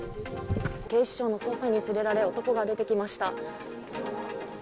警視庁の捜査員に連れられ、男が出てきました。